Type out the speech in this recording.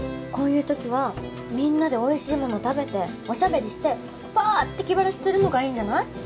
こういう時はみんなでおいしいもの食べてお喋りしてパーッて気晴らしするのがいいんじゃない？